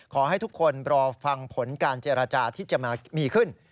ขอให้ทุกคนรอฟังผลการเจรจาที่จะมีขึ้น